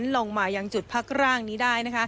ลงมายังจุดพักร่างนี้ได้